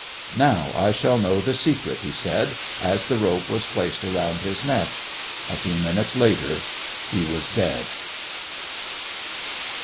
"Now I shall know the secret," he said, as the rope was placed around his neck. A few minutes later he was dead.